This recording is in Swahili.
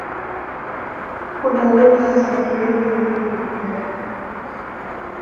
Kuna lugha za Krioli nyingi duniani.